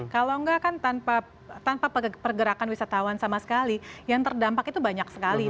kalau enggak kan tanpa pergerakan wisatawan sama sekali yang terdampak itu banyak sekali